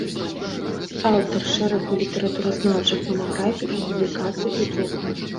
Аўтар шэрагу літаратуразнаўчых манаграфій і публікацый у друку.